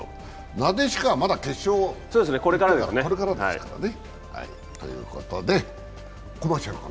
なでしこはまだ決勝これからですからね。